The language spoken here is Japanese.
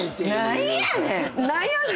何やねん！